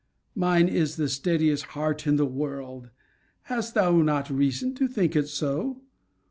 Mine is the steadiest heart in the world. Hast thou not reason to think it so?